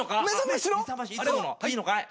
いいのかい？